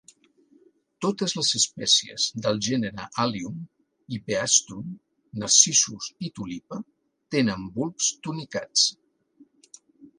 Totes les espècies del gènere "Allium", "Hippeastrum", "Narcissus" i "Tulipa" tenen bulbs tunicats.